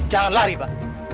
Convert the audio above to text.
jangan lari pak